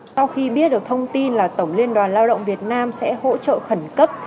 sau khi biết được thông tin là tổng liên đoàn lao động việt nam sẽ hỗ trợ khẩn cấp